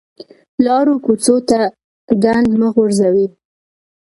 لارو کوڅو ته ګند مه غورځوئ